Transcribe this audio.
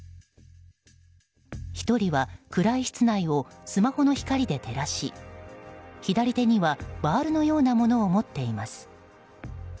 １人は暗い室内をスマホの光で照らし左手にはバールのようなものを持っています。